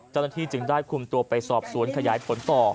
เจ้าหน้าที่จึงได้คุมตัวไปสอบสวนขยายผลต่อ